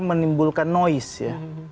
menimbulkan noise ya